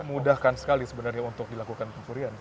mudahkan sekali sebenarnya untuk dilakukan pencurian